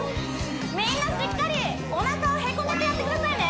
みんなしっかりおなかをへこめてやってくださいね